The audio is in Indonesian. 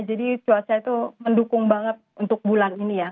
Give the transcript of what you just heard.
jadi cuaca itu mendukung banget untuk bulan ini ya